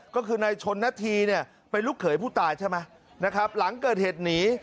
ก็คือในชนทีไปลุกเผยผู้ตายใช่ไหมหลังเกิดเหตุหนี